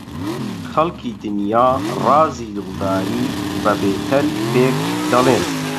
خەڵکی دنیا ڕازی دڵداری بە بێتەل پێک دەڵێن